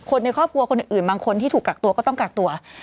ในครอบครัวคนอื่นบางคนที่ถูกกักตัวก็ต้องกักตัว